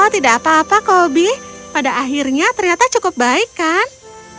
tidak apa apa koby pada akhirnya ternyata cukup baik kan